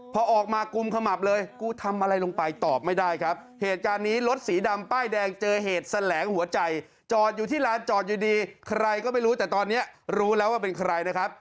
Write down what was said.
พอออกมากุมขมับเลยกูทำอะไรลงไปตอบไม่ได้ครับ